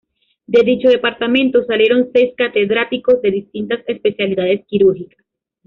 De dicho departamento salieron seis Catedráticos de distintas especialidades quirúrgicas.